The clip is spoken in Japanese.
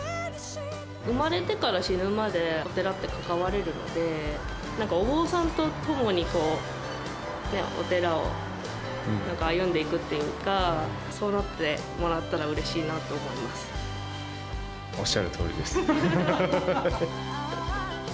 生まれてから死ぬまで、お寺って関われるので、なんかお坊さんと共にお寺を歩んでいくっていうか、そうなってもおっしゃるとおりです。